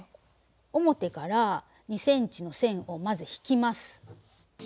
表から２ｃｍの線をまず引きます。